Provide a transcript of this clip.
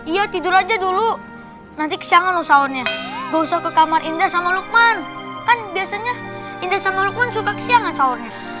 iya tidur aja dulu nanti kesiangan loh sahurnya gak usah ke kamar indah sama lukman kan biasanya indah sama lukman suka kesiangan sahurnya